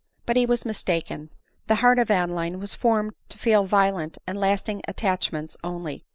But he was mistaken ; the heart of Adeline was form ed to feel violent and lasting attachments odty.